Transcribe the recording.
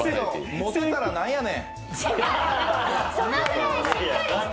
持てたら何やねん！